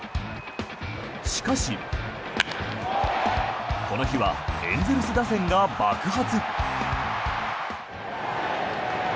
しかし、この日はエンゼルス打線が爆発。